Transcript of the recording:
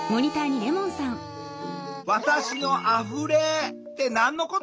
「わたしのあふれ」って何のこと？